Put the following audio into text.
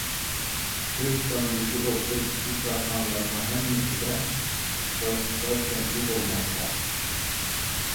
كۆپ ساندىكى ئوتتۇرا كىچىك كارخانىلارنىڭ ھەممىسىدە ئىختىساسلىقلار كەمچىل بولماقتا.